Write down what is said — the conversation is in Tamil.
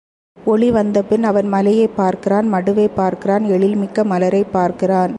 ஒளி வந்தபின் அவன் மலையைப் பார்க்கிறான் மடுவைப் பார்க்கிறான் எழில் மிக்க மலரைப் பார்க்கிறான்.